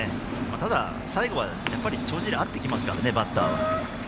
ただ、最後は帳尻合ってきますからねバッターは。